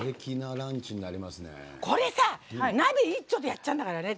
これ、鍋１つでやっちゃうんだからね